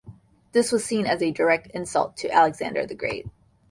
This was seen as a direct insult to Alexander the Great.